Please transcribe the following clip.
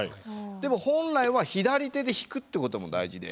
でも本来は左手で引くっていうことも大事で。